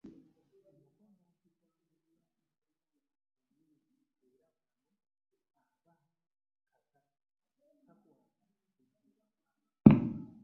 Omukommonsi kw'amegula n'alunga mu mmindi era kano aba kaka kakwata ku Jjoba.